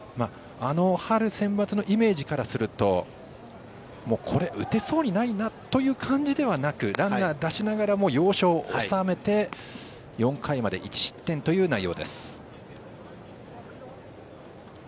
あの春センバツのイメージからするとこれ、打てそうにないなという感じではなくランナーを出しながらも要所を抑えて４回まで１失点という内容です。